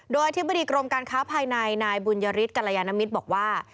โดยอธิบดีกรมการค้าภายในนายบุญยฤทธกรยานมิตรบอกว่า